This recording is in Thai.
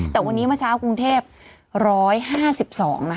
แต่วันนี้เมื่อเช้ากรุงเทพ๑๕๒นะคะ